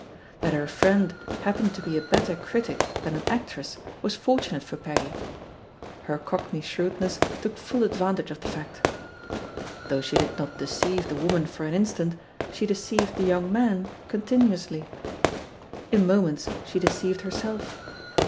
That her friend happened to be a better critic than an actress was fortunate for Peggy — ^her Cockney shrewdness took full advantage of the fact. Though she did not deceive the woman for an instant, she deceived the young man con tinuously. In moments she deceived herself.